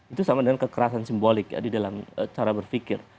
itu sama dengan kekerasan simbolik di dalam cara berpikir